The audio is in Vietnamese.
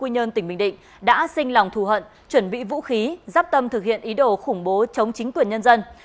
nhơn tỉnh bình định đã sinh lòng thù hận chuẩn bị vũ khí giáp tâm thực hiện ý đồ khủng bố chống chính quyền nhân dân